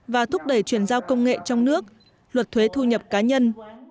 và thúc đẩy chuyển giao công nghệ trong nước luật thuế thu nhập cá nhân